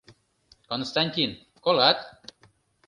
Константин, колат?